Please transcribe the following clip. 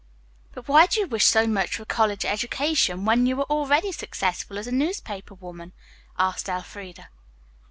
"But why do you wish so much for a college education when you are already successful as a newspaper woman?" asked Elfreda.